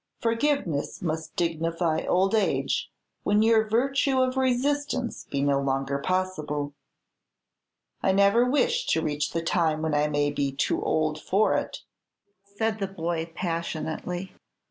Forgiveness must dignify old age, when your virtue of resistance be no longer possible." "I never wish to reach the time when I may be too old for it," said the boy, passionately.